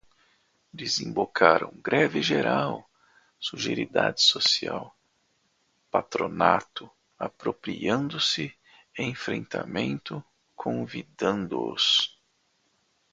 Desembocaram, greve geral, seguridade social, patronato, apropriando-se, enfrentamento, convidando-os